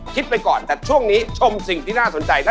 ไปก่อนแต่ช่วงนี้ชมสิ่งที่น่าสนใจนะ